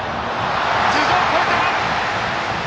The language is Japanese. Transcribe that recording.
頭上を越えた！